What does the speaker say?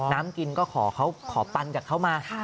น้ำกินก็ขอปันจากเขามา